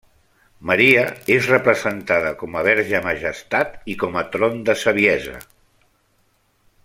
Maria és representada com a Verge Majestat i com a Tron de Saviesa.